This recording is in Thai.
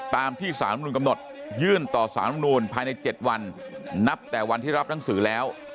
ตามที่สารรัฐมนุนกำหนดยื่นต่อสารำนูลภายใน๗วันนับแต่วันที่รับหนังสือแล้ว